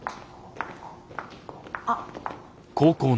あっ。